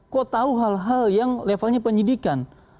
kok tahu hal hal yang levelnya penyidikan